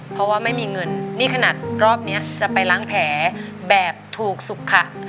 เพราะว่าไม่มีเงินนี่ขนาดรอบนี้จะไปล้างแผลแบบถูกสุขค่ะ